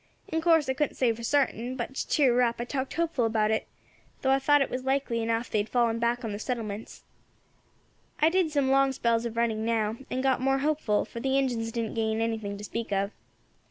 In course I couldn't say for sartin, but, to cheer her up, I talked hopeful about it, though I thought it was likely enough they had fallen back on the settlements. I did some long spells of running now, and got more hopeful, for the Injins didn't gain anything to speak of.